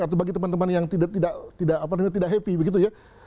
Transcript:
atau bagi teman teman yang tidak happy begitu ya